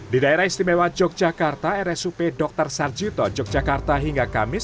di daerah istimewa yogyakarta rsup dr sarjito yogyakarta hingga kamis